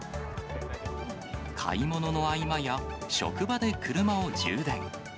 買い物の合間や、職場で車を充電。